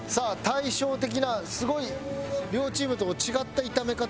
対照的なすごい両チームとも違った炒め方ですね。